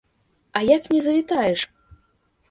А як не завітаеш!